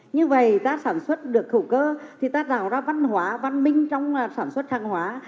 như vậy ta sản xuất được khẩu cơ thì ta tạo ra văn hóa văn minh trong sản xuất hàng hóa